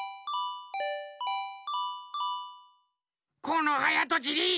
このはやとちり！